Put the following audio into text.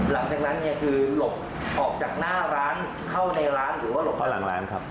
หลังจากนั้นเนี่ยคือหลบออกจากหน้าร้านเข้าในร้านหรือว่าหลบเข้าหลังร้านครับ